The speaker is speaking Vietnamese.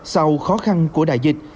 sau khó khăn của đại dịch